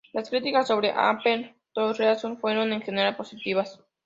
Las críticas sobre "Appeal to Reason" fueron, en general, positivas.